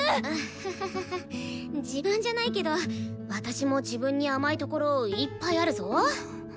ハハハハ自慢じゃないけど私も自分に甘いところいっぱいあるぞ。